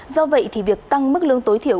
do vậy thì việc tăng mức lương tối thiểu